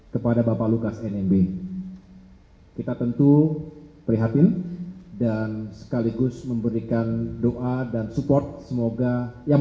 kepada bapak lukas nmb kita tentu prihatin dan sekaligus memberikan doa dan support semoga yang